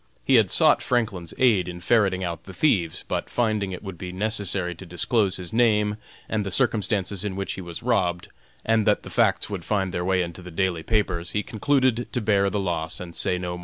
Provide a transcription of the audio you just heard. He had sought Franklin's aid in ferreting out the thieves, but finding it would be necessary to disclose his name and the circumstances in which he was robbed, and that the facts would find their way into the daily papers, he concluded to bear the loss and say no more about it.